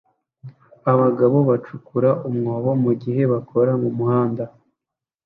abagabo bacukura umwobo mugihe bakora mumuhanda